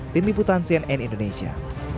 tim ibu tansian n indonesia